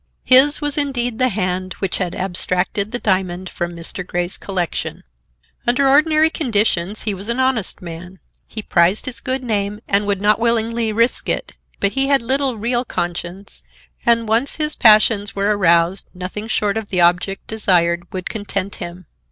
His was indeed the hand which had abstracted the diamond from Mr. Grey's collection. Under ordinary conditions he was an honest man. He prized his good name and would not willingly risk it, but he had little real conscience, and once his passions were aroused nothing short of the object desired would content him.